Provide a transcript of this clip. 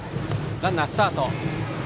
ランナースタート。